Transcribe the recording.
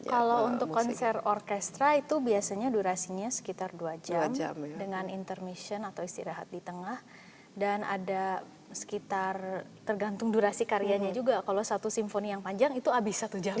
kalau untuk konser orkestra itu biasanya durasinya sekitar dua jam dengan intermission atau istirahat di tengah dan ada sekitar tergantung durasi karyanya juga kalau satu simfoni yang panjang itu habis satu jam